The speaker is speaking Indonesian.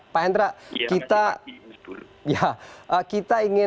pak hendra kita ingin